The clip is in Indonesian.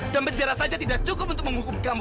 dan benjara saja tidak cukup untuk menghukum kamu